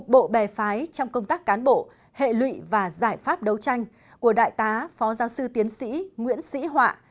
bộ bè phái trong công tác cán bộ hệ lụy và giải pháp đấu tranh của đại tá phó giáo sư tiến sĩ nguyễn sĩ họa